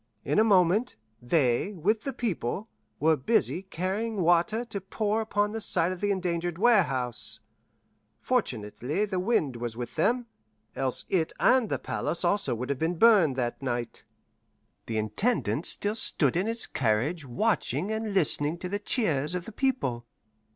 In a moment, they, with the people, were busy carrying water to pour upon the side of the endangered warehouse. Fortunately the wind was with them, else it and the palace also would have been burned that night. The Intendant still stood in his carriage watching and listening to the cheers of the people.